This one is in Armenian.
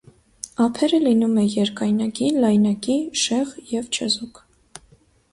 Ափերը լինում է երկայնակի, լայնակի, շեղ և չեզոք։